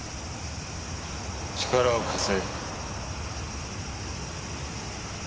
力を貸せ。